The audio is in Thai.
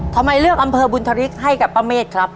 ทำไมเลือกอำเภอบุญธริกให้กับป้าเมฆครับ